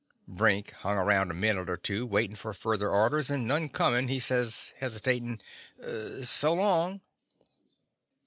Brink hung round a minute or two, waitin' for further orders, and none comin', he says, hesitatin' : "So long!"